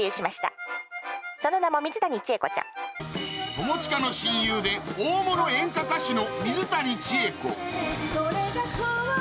友近の親友で大物演歌歌手の